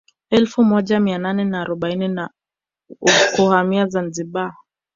Elfu moja mia nane na arobaini na kuhamia Zanzibar